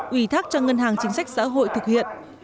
ủy thác cho ngân hàng chính sách xã hội thực hiện